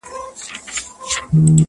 د گونگى په ژبه خپله مور ښه پوهېږي.